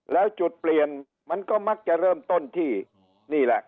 แล้วจุดเปลี่ยนมันก็มักจะเริ่มต้นที่นี่แหละ